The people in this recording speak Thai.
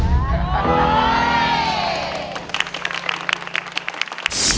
หนูแสน